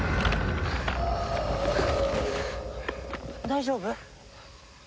大丈夫！？